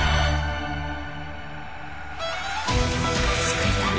「救いたい」